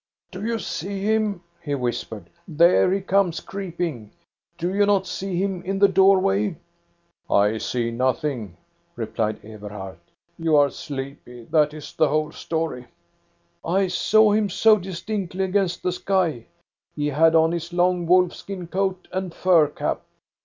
"Do you see him?" he whispered. "There he comes creeping. Do you not see him in the door way?" " I see nothing," replied Eberhard. " You are sleepy, that is the whole story." " I saw him so distinctly against the sky. He had on his long wolfskin coat and fur cap.